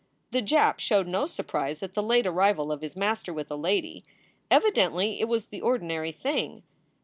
The Jap showed no surprise at the late arrival of his master with a lady. Evidently it was the ordinary thing.